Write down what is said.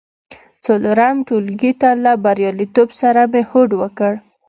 څلورم ټولګي ته له بریالیتوب سره مې هوډ وکړ.